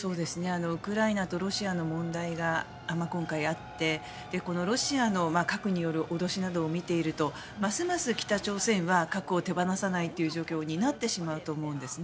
ウクライナとロシアの問題が今回あってロシアの核による脅しなどを見ているとますます北朝鮮は核を手放さないという状況になってしまうと思うんです。